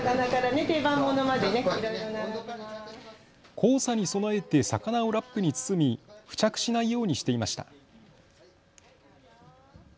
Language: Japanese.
黄砂に備えて魚をラップに包み付着しないようにしていました。